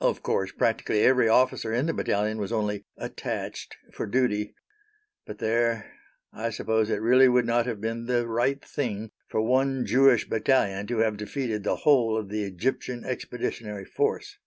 Of course practically every officer in the battalion was only "attached" for duty, but there I suppose it really would not have been the "right thing" for one Jewish Battalion to have defeated the whole of the Egyptian Expeditionary Force!